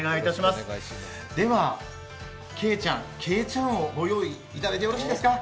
では、けいちゃん、けいちゃんをご用意いただいてよろしいですか。